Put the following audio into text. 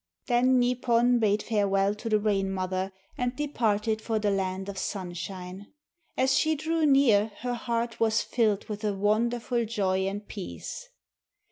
Then Nipon bade farewell to the Rain mother and departed for the land of Sunshine. As she drew near her heart was filled with a wonderful joy and peace.